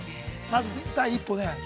まず第一歩ね。